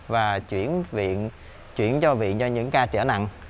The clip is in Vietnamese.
và chuyển cho viện cho những ca trở nặng